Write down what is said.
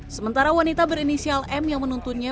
sementara wanita berinisial m yang menuntunnya